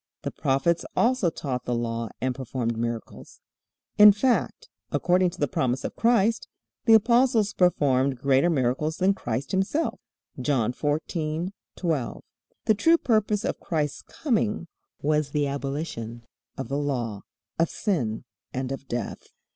The prophets also taught the Law and performed miracles. In fact, according to the promise of Christ, the apostles performed greater miracles than Christ Himself. (John 14:12.) The true purpose of Christ's coming was the abolition of the Law, of sin, and of death.